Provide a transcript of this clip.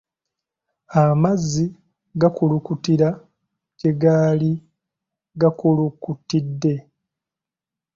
Amazzi gakulukutira gye gaali gakulukutidde.